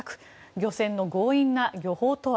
漁船の強引な漁法とは。